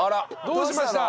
どうしました？